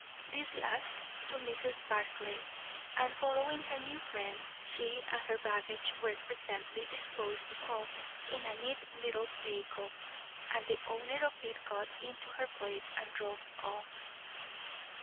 This last to Mrs. Barclay. And, following her new friend, she and her baggage were presently disposed of in a neat little vehicle, and the owner of it got into her place and drove off.